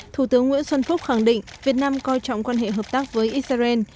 thủ tướng nguyễn xuân phúc khẳng định việt nam coi trọng quan hệ hợp tác với israel